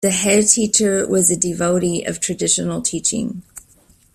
The headteacher was a devotee of traditional teaching